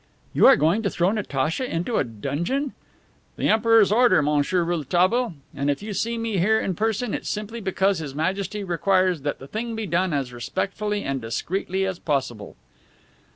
"You are going to throw Natacha into a dungeon!" "The Emperor's order, Monsieur Rouletabille. And if you see me here in person it is simply because His Majesty requires that the thing be done as respectfully and discreetly as possible."